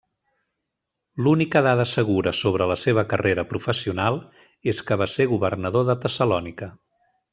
L'única dada segura sobre la seva carrera professional és que va ser governador de Tessalònica.